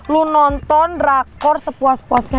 lu nonton rakor sepuas puasnya